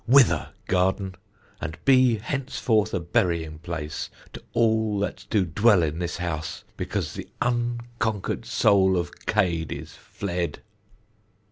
Wither, garden; and be henceforth a burying place to all that do dwell in this house, because the unconquered soul of Cade is fled.